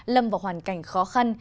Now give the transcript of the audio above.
lâm vào hoàn cảnh khó khăn